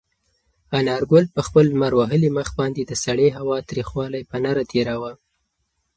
انارګل په خپل لمر وهلي مخ باندې د سړې هوا تریخوالی په نره تېراوه.